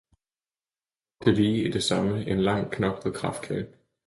råbte lige i det samme en lang knoklet kraftkarl.